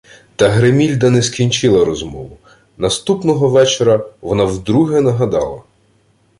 Та Гримільда не скінчила розмову. Наступного вечора вона вдруге нагадала: